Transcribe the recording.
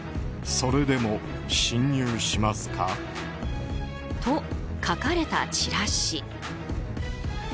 それでも侵入しますか？と、書かれたチラシ。